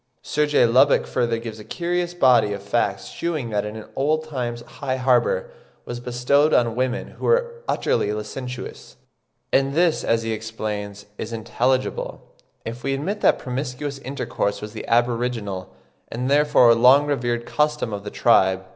Sir J. Lubbock further gives a curious body of facts shewing that in old times high honour was bestowed on women who were utterly licentious; and this, as he explains, is intelligible, if we admit that promiscuous intercourse was the aboriginal, and therefore long revered custom of the tribe.